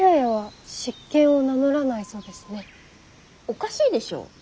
おかしいでしょ。